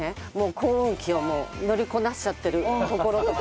耕運機を乗りこなしちゃってるところとか。